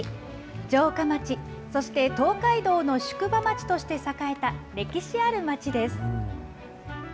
城下町そして東海道の宿場町として栄えた歴史ある町です。